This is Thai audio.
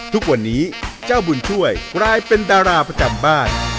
ทุกวันนี้เจ้าบุญช่วยกลายเป็นดาราประจำบ้าน